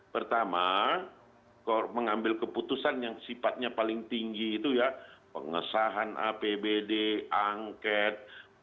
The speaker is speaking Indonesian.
pertama mengambil keputusan yang sifatnya paling tinggi itu ya pengesahan apbd angket